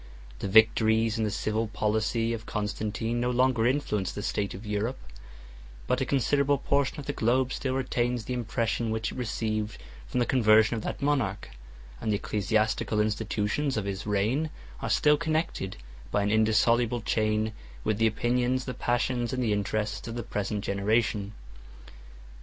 The victories and the civil policy of Constantine no longer influence the state of Europe; but a considerable portion of the globe still retains the impression which it received from the conversion of that monarch; and the ecclesiastical institutions of his reign are still connected, by an indissoluble chain, with the opinions, the passions, and the interests of the present generation.